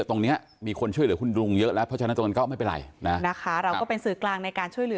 อันนี้นะคะที่ได้คุยกันนะครับ